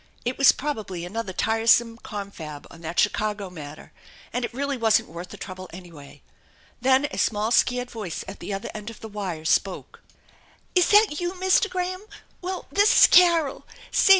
It was probably another tiresome confab on that Chicago matter, and it really wasn't worth the trouble, anyway. Then a small scared voice at the other end of the wire spoke: "Is that you, Mr. Graham? Well, this is Carol. Say.